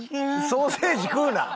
ソーセージ食うな！